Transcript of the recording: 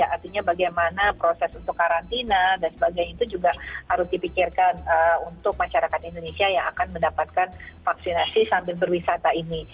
artinya bagaimana proses untuk karantina dan sebagainya itu juga harus dipikirkan untuk masyarakat indonesia yang akan mendapatkan vaksinasi sambil berwisata ini